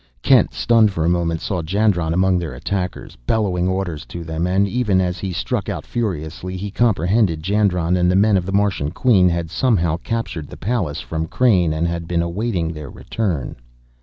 Kent, stunned for a moment, saw Jandron among their attackers, bellowing orders to them, and even as he struck out furiously he comprehended. Jandron and the men of the Martian Queen had somehow captured the Pallas from Crain and had been awaiting their return!